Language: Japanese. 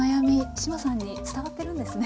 志麻さんに伝わってるんですね。